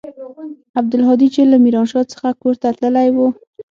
عبدالهادي چې له ميرانشاه څخه کور ته تللى و.